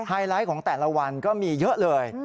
ไลท์ของแต่ละวันก็มีเยอะเลย